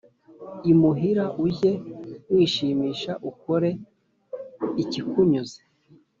Imuhira, ujye wishimisha ukore ikikunyuze,